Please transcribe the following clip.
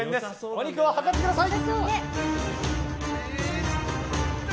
お肉を量ってください！